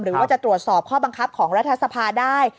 หรือว่าจะตรวจสอบข้อบังคับของรัฐสภาได้